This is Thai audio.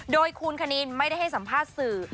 โดยคุณคณินไม่ได้ให้สัมภาษณ์สื่อ